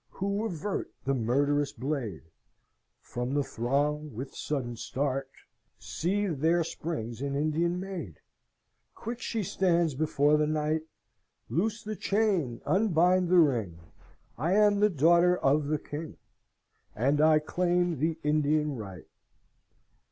Who avert the murderous blade? From the throng, with sudden start, See, there springs an Indian maid. Quick she stands before the knight, 'Loose the chain, unbind the ring, I am daughter of the king, And I claim the Indian right!'